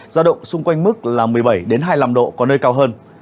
giao động xung quanh mức là một mươi bảy hai mươi năm độ có nơi cao hơn